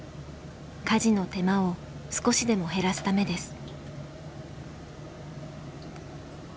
家事の手間を少しでも減らすためです。